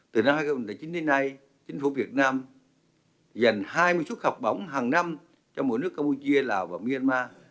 từ năm hai nghìn một mươi chín đến nay chính phủ việt nam dành hai mươi xuất học bổng hàng năm cho mỗi nước campuchia lào và myanmar